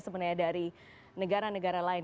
sebenarnya dari negara negara lain